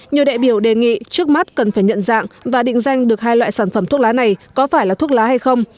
nhiều đại biểu đề nghị trước mắt cần phải nhận dạng và định danh được hai loại sản phẩm thuốc lá này có phải là thuốc lá hay không